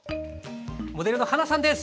モデルのはなさんです。